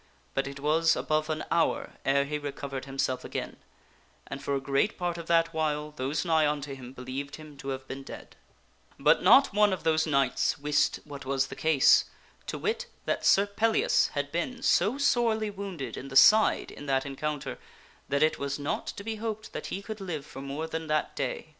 But it was above an hour ere he recovered himself again ; and for a great part of that while those nigh unto him believed him to have been dead. 2 7 THE STORY OF SIR PELLIAS But not one of those knights wist what was the case; to wit, that Sir Pellias had been so sorely wounded in the side in that encounter that it Sir Pellias is was not to ^ e n P e cl that he could live for more than that day.